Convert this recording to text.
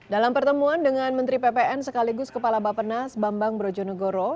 dalam pertemuan dengan menteri ppn sekaligus kepala bapenas bambang brojonegoro